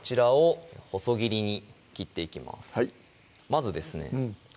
まずですね